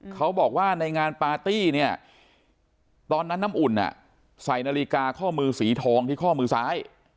เขาบอกว่าในงานปาร์ตี้เนี่ยตอนนั้นน้ำอุ่นใส่นาฬิกาข้อมือสีทองที่ข้อมือซ้าย